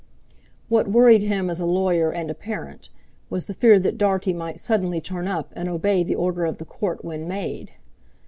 What worried him as a lawyer and a parent was the fear that Dartie might suddenly turn up and obey the Order of the Court when made.